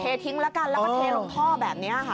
เททิ้งแล้วก็เทลงท่อแบบนี้ค่ะ